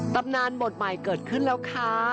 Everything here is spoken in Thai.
ตำนานบทใหม่เกิดขึ้นแล้วค่ะ